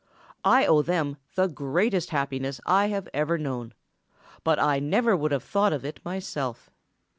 I owe them the greatest happiness I have ever known, but I never would have thought of it myself.